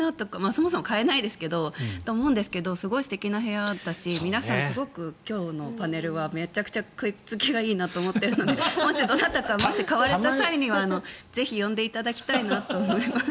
そもそも買えないですけどすごい素敵な部屋だし皆さん、今日のパネルはめちゃくちゃ食いつきがいいなと思っているのでもし、どなたか買われた際にはぜひ呼んでいただきたいなと思います。